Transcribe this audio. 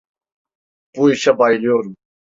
Bu işe bayılıyorum.